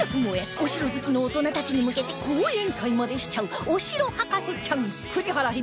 お城好きの大人たちに向けて講演会までしちゃうお城博士ちゃん栗原響